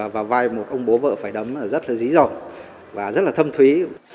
và vai một ông bố vợ phải đóng rất là rí giỏm và rất là thâm thúy